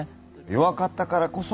弱かったからこそ。